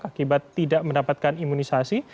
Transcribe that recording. akibat tidak mendapatkan imunisasi